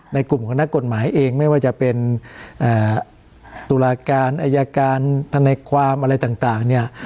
ในกลุ่มของนักกฎหมายเองไม่ว่าจะเป็นตุลาการอายการทนายความอะไรต่างเนี่ย